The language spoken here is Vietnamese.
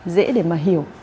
dễ để mà hiểu